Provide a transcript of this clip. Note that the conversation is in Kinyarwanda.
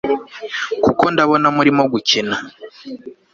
kuko ndabona murimo gukina